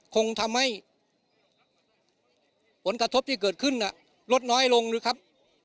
คงทำให้ผลกระทบที่เกิดขึ้นลดน้อยลงนะครับ